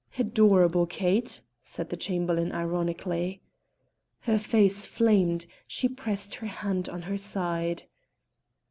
"Adorable Kate!" said the Chamberlain, ironically. Her face flamed, she pressed her hand on her side.